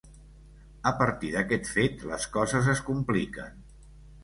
A partir d'aquest fet les coses es compliquen.